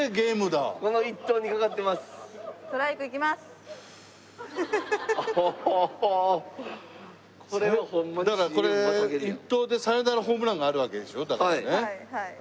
だからこれ１投でサヨナラホームランがあるわけでしょ？だってね。